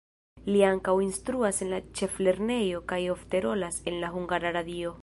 Li ankaŭ instruas en la ĉeflernejo kaj ofte rolas en la Hungara Radio.